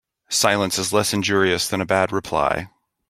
Silence is less injurious than a bad reply.